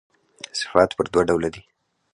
صفات پر دوه ډوله دي.